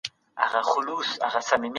د لویې جرګي پخوانی تاریخ څوک موږ ته بیانوي؟